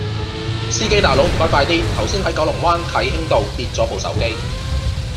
司機大佬唔該快啲，頭先喺九龍灣啟興道跌左部手機